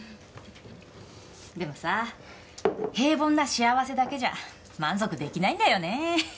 でもさ平凡な幸せだけじゃ満足できないんだよねぇ。